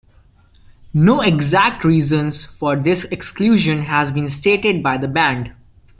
No exact reasons for this exclusion has been stated by the band.